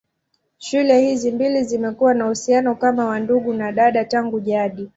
Shule hizi mbili zimekuwa na uhusiano kama wa ndugu na dada tangu jadi.